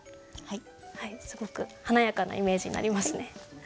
すごく華やかなイメージになりますね。